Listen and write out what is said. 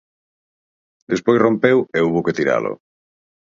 Despois rompeu e houbo que tiralo.